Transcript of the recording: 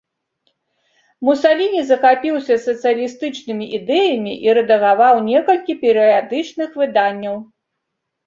Мусаліні захапіўся сацыялістычнымі ідэямі і рэдагаваў некалькі перыядычных выданняў.